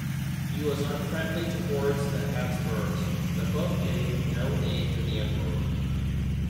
He was unfriendly towards the Habsburgs; the pope gave no aid to the emperor.